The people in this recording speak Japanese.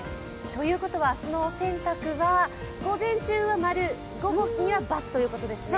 ということは明日のお洗濯は午前中は○、午後には×ということですね。